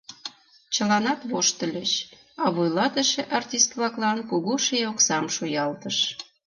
Чыланат воштыльыч, а вуйлатыше артист-влаклан кугу ший оксам шуялтыш.